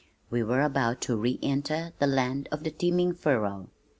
We were about to re enter the land of the teeming furrow.